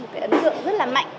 cái ấn tượng rất là mạnh